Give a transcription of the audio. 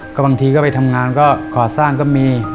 ก็บางทีก็ไปทำงานก็ก่อสร้างก็มี